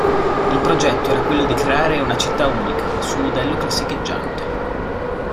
Il progetto era quello di creare una città unica, su modello classicheggiante.